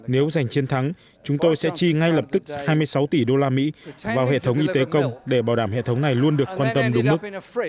nếu giành chiến thắng chúng tôi sẽ chi ngay lập tức hai mươi sáu tỷ đô la mỹ vào hệ thống y tế công để bảo đảm hệ thống này luôn được quan tâm đúng mức